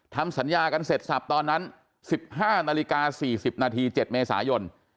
ทำสัญญากันเสร็จสับตอนนั้น๑๕นาฬิกา๔๐นาที๗เมษายน